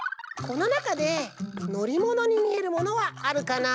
このなかでのりものにみえるものはあるかな？